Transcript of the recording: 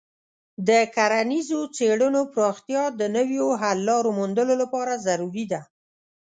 د کرنیزو څیړنو پراختیا د نویو حل لارو موندلو لپاره ضروري ده.